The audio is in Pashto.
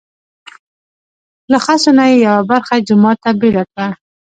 له خسو نه یې یوه برخه جومات ته بېله کړه.